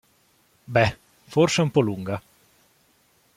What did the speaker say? Beh, forse è un po' lunga.